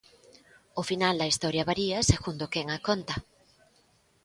O final da historia varía segundo quen a conta.